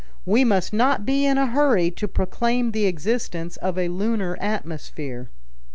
We must not be in a hurry to proclaim the existence of a lunar atmosphere."